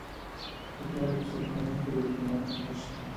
د کونړ په سرکاڼو کې د کرومایټ نښې شته.